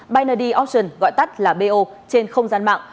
binary option gọi tắt là bo trên không gian mạng